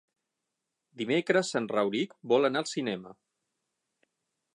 Dimecres en Rauric vol anar al cinema.